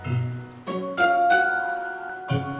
waktu kita masih di jalan